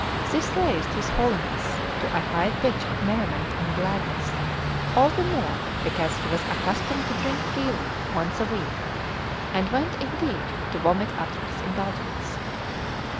This raised his Holiness to a high pitch of merriment and gladness, all the more because he was accustomed to drink freely once a week, and went indeed to vomit after his indulgence.